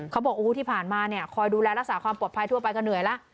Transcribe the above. เขาบอกที่ผ่านมาเนี่ยคอยดูแลรักษาความปลอดภัยทั่วไปก็เหนื่อยแล้ว